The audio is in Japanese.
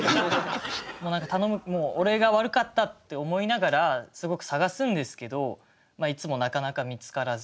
もう何か頼む俺が悪かったって思いながらすごく探すんですけどいつもなかなか見つからず。